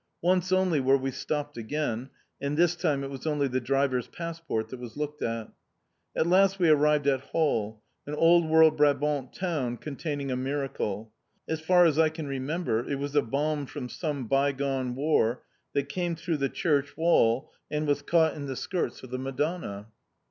Once only were we stopped again, and this time it was only the driver's passport that was looked at. At last we arrived at Hall, an old world Brabant town containing a "miracle." As far as I can remember, it was a bomb from some bygone War that came through the church wall and was caught in the skirts of the Madonna!